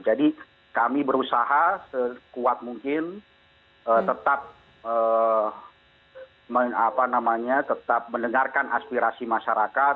jadi kami berusaha sekuat mungkin tetap mendengarkan aspirasi masyarakat